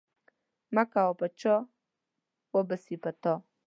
مه کوه په چا وبه سي په تا.